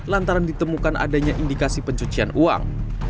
lantaran ditemukan adanya indikasi pencucian uang